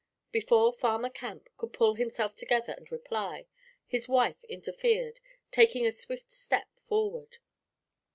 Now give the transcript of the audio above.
Before Farmer Camp could pull himself together and reply, his wife interfered, taking a swift step forward.